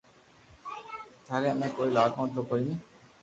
ٿاري امي ڪوئي لاگو تو ڪوئي ني